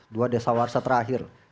dua desa warsa terakhir